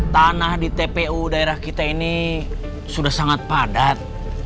tanah di tpu daerah kita ini sudah sangat padat